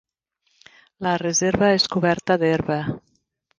La reserva és coberta d'herba.